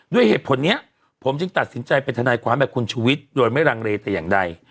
ด้วยเหตุผลนี้ผมจึงตัดสินใจเป็นทนายความแบบคุณชุวิตโดยไม่รังเลแต่อย่างใด